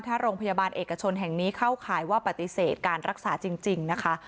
ถ้าโรงพยาบาลเอกชนแห่งนี้เข้าข่ายว่าปฏิเสธการรักษาจริงนะคะ